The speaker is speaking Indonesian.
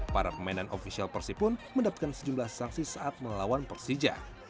para pemain dan ofisial persib pun mendapatkan sejumlah sanksi saat melawan persija